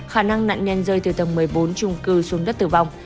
khả năng nạn nhân rơi từ tầng một mươi bốn trung cư xuống đất tử vong